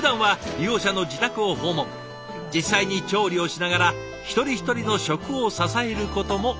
実際に調理をしながら一人一人の食を支えることも仕事。